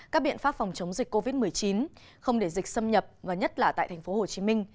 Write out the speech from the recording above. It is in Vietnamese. các biện pháp phòng chống dịch covid một mươi chín không để dịch xâm nhập và nhất là tại tp hcm